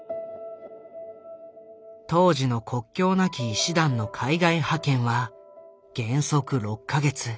当時の国境なき医師団の海外派遣は原則６か月。